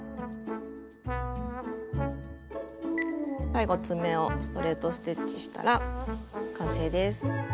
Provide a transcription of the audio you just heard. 最後爪をストレート・ステッチしたら完成です。